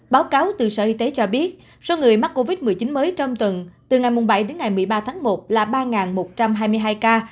báo cáo từ sở y tế cho biết số người mắc covid một mươi chín mới trong tuần từ ngày bảy đến ngày một mươi ba tháng một là ba một trăm hai mươi hai ca